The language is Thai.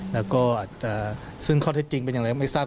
แล้วก็อาจจะซึ่งข้อเท็จจริงเป็นอย่างไรไม่ทราบ